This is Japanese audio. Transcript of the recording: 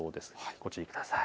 ご注意ください。